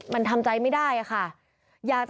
มันทำใจไม่ได้ค่ะ